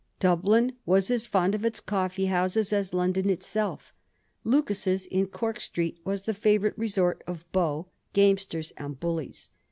Dublin was as fond of its coffee houses aa London itself. Lucas's, in Cork Street, was the favourite resort of beaux, gamesters, and buUies.